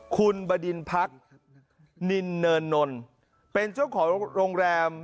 คุณบดินพักนินเนินนลเป็นเจ้าของโรงแรม